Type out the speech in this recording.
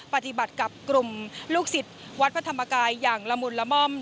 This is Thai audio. ปฏิบัติกับกลุ่มลูกศิษย์วัดพระธรรมกายอย่างละมุนละม่อม